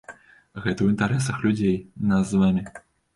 Гэта ў інтарэсах людзей, нас з вамі.